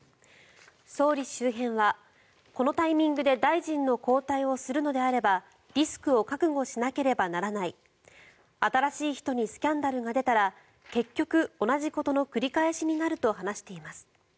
総理周辺は、このタイミングで大臣の交代をするのであればリスクを覚悟しなければならない新しい人にスキャンダルが出たら結局同じことの繰り返しになると話しています。